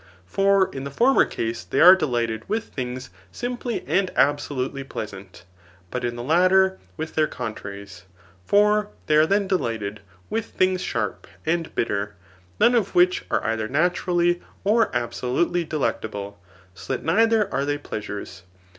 For, in the former case, they are delighted with things simply and absolutely pleasant ; hut in the latter, with their contraries. For they are then, delighted with things sharp and bitter, none of which are ddier naturally, or absolutely delectable ; so that neither are they pleasmres.